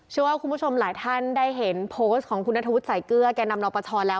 สวัสดีคุณผู้ชมหลายท่านได้เห็นโพสต์ของคุณณธวุฒิใส่เกื้อแก่นำนอปเตอร์แล้ว